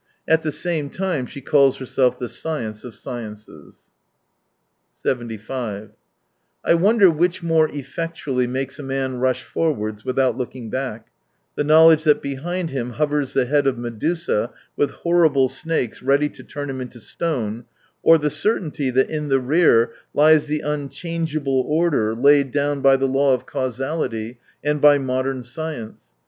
At the same time she calls herself the science of sciences. 75 I wonder which more effectually makes a man rush forwards without looking back : the knowledge that behind him hovers the head of Medusa, with horrible snakes, ready to turn him into stone ; or the certainty that in the rear lies the unchangeable order laid down by the law of causality and by modern science.